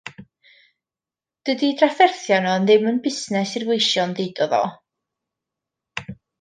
Dydi'i drafferthion o yn ddim busnes i'r gweision ddeudodd o.